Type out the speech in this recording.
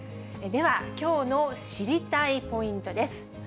では、きょうの知りたいポイントです。